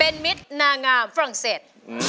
เป็นมิตรนางงามฝรั่งเศส